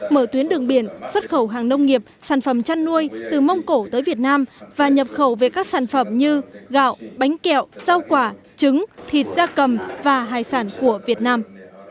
mở tuyến đường biển xuất khẩu hàng nông nghiệp sản phẩm chăn nuôi từ mông cổ tới việt nam và nhập khẩu về các sản phẩm như gạo bánh kẹo rau quả trứng thịt da cầm và hải sản của việt nam